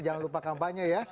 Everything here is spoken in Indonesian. jangan lupa kampanye ya